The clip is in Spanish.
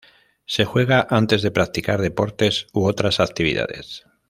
Se juega antes de practicar deportes u otras actividades.